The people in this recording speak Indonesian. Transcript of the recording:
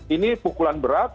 ini pukulan berat